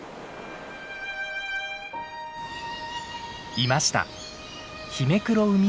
いました！